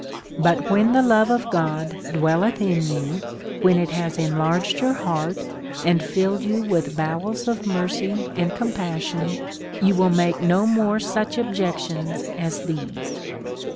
But when the love of God dwelleth in you, when it has enlarged your heart, and filled you with bowels of mercy and compassion, you will make no more such objections as these.